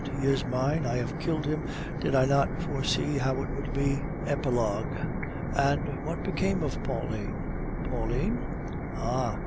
"He is mine, I have killed him. Did I not foresee how it would be?" EPILOGUE "And what became of Pauline?" "Pauline? Ah!